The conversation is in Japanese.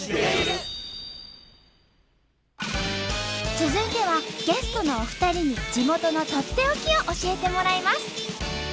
続いてはゲストのお二人に地元のとっておきを教えてもらいます。